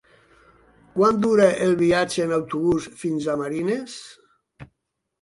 Quant dura el viatge en autobús fins a Marines?